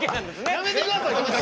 やめてください。